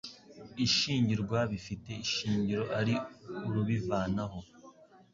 ishyingirwa bifite ishingiro ari urubivanaho